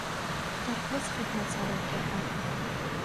Дарԥысхеит мацарагьы акәым…